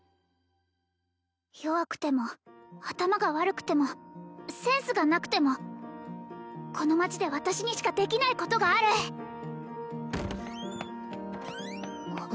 弱くても頭が悪くてもセンスがなくてもこの町で私にしかできないことがあるあっ